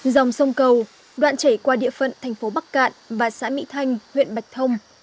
dòng sông cầu đoạn chảy qua địa phận thành phố bắc cạn và xã mỹ thanh huyện bạch thông